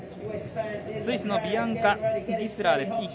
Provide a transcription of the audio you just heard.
スイスのビアンカ・ギスラーです。